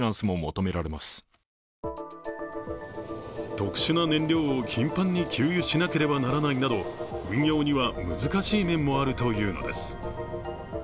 特殊な燃料を頻繁に給油しなければならないなど、運用には難しい面もあるというのです。